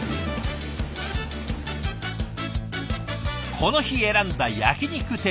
この日選んだ焼肉定食。